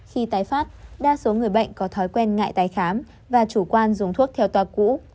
khi tái phát đa số người bệnh có thói quen ngại tái khám và chủ quan dùng thuốc theo tòa cũ